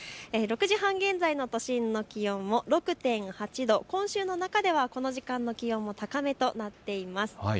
６時半現在の都心の気温も６．８度、今週の中ではこの時間の気温も高めとなっています。